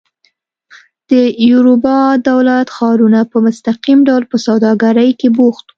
د یوروبا دولت ښارونه په مستقیم ډول په سوداګرۍ کې بوخت وو.